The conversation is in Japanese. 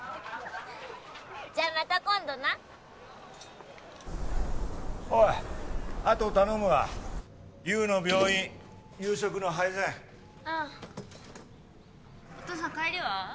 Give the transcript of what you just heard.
じゃあまた今度なおいあと頼むわ優の病院夕食の配膳うんお父さん帰りは？